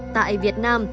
tại việt nam